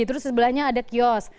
terus sebelahnya ada kios